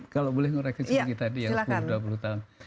kalau boleh ngoreksi kita di yang sepuluh dua puluh tahun